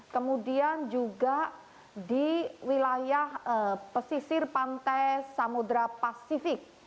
kemudian juga di wilayah pesisir pantai samudera pasifik